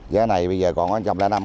giá này bây giờ còn trầm lại năm ngàn